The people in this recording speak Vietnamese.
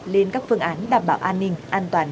lên các phương án đảm bảo an ninh an toàn